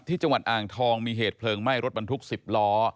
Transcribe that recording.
ที่จังหวัดอ่างทองมีเหตุเพลิงไหม้รถบรรทุก๑๐ล้อ